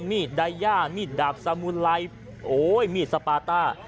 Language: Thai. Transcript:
มีดไดย่ามีดดาบสามูไลมีดสปาต้า